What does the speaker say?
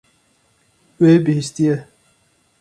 Wê bihîstiye.